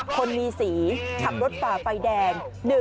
คนมีสีขับรถฝ่าไฟแดง